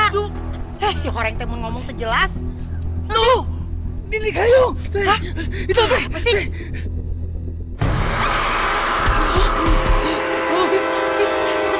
biasanya kamu harus berbicara seperti ini